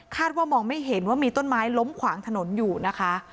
ว่ามองไม่เห็นว่ามีต้นไม้ล้มขวางถนนอยู่นะคะ